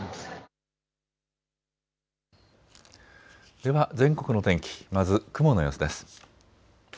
では全国の天気、まず雲の様子です。